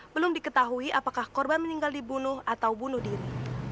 belum diketahui apakah korban meninggal dibunuh atau bunuh diri